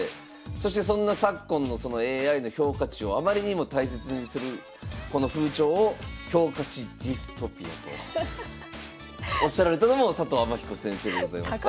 そしてそんな昨今のそのＡＩの評価値をあまりにも大切にするこの風潮を評価値ディストピアとおっしゃられたのも佐藤天彦先生でございます。